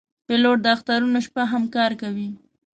پیلوټ د اخترونو شپه هم کار کوي.